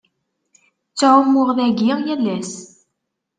Ttɛummuɣ dagi yal ass.